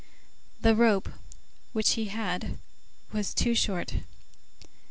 The rope which he had was too short.